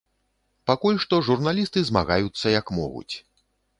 Пакуль што журналісты змагаюцца як могуць.